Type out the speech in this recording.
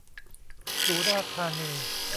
สุราษฏร์ธานี